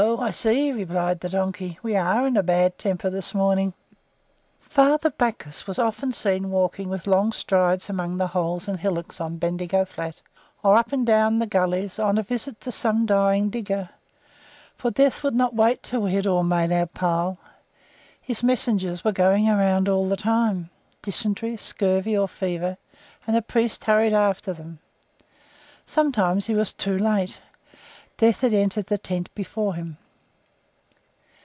I see," replied the Donkey. "We are in a bad temper this morning." Father Backhaus was often seen walking with long strides among the holes and hillocks on Bendigo Flat or up and down the gullies, on a visit to some dying digger, for Death would not wait until we had all made our pile. His messengers were going around all the time; dysentery, scurvy, or fever; and the priest hurried after them. Sometimes he was too late; Death had entered the tent before him.